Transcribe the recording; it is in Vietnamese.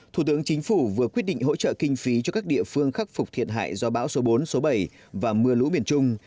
thủ tướng chính phủ vừa quyết định hỗ trợ kinh phí cho các địa phương khắc phục thiệt hại do bão số bốn số bảy và mưa lũ miền trung